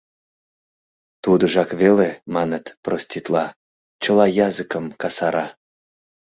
Тудыжак веле, маныт, проститла, чыла языкым касара.